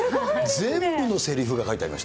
全部のせりふが書いてありました。